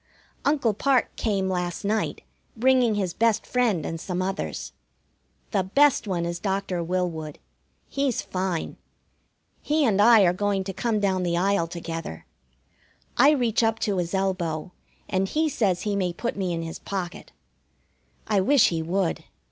Uncle Parke came last night, bringing his best friend and some others. The best one is Doctor Willwood. He's fine. He and I are going to come down the aisle together. I reach up to his elbow, and he says he may put me in his pocket. I wish he would.